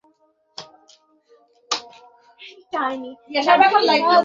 পুত্র সন্তানের আকাঙ্খা পাকিস্তানি মহিলাদের অবস্থার উপর প্রভাব ফেলে।